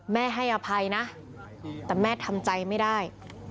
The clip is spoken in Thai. ให้อภัยนะแต่แม่ทำใจไม่ได้